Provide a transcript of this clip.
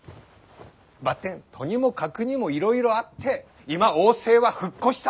ばってんとにもかくにもいろいろあって今王政は復古した。